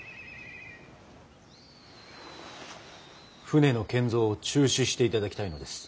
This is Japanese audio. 船の建造を中止していただきたいのです。